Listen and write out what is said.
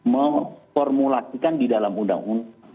memformulasikan di dalam undang undang